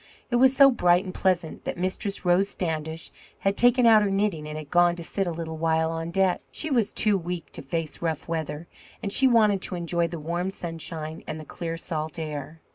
It was so bright and pleasant that Mistress Rose Standish had taken out her knitting and had gone to sit a little while on deck. She was too weak to face rough weather, and she wanted to enjoy the warm sunshine and the clear salt air.